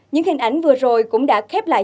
những hình ảnh vừa rồi cũng đã khép lại